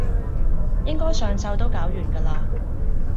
應該上晝都搞完㗎啦